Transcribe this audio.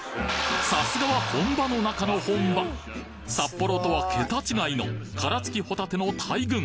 さすがは本場の中の本場札幌とは桁違いの殻付きホタテの大群